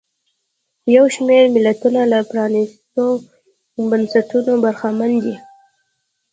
یو شمېر ملتونه له پرانیستو بنسټونو برخمن دي.